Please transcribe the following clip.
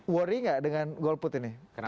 worry gak dengan golput ini